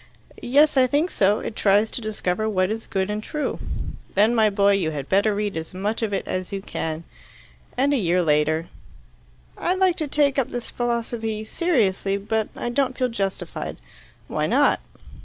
"Yes, I think so. It tries to discover what is good and true." "Then, my boy, you had better read as much of it as you can." And a year later: "I'd like to take up this philosophy seriously, but I don't feel justified." "Why not?"